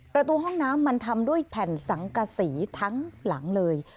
ประตูห้องน้ำมันทำด้วยแผ่นสังกษีทั้งหลังเลย